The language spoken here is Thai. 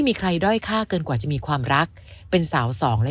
มีใครด้อยค่าเกินกว่าจะมีความรักเป็นสาวสองและ